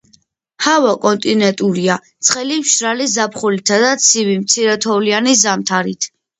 ჰავა კონტინენტურია, ცხელი მშრალი ზაფხულითა და ცივი, მცირეთოვლიანი ზამთრით.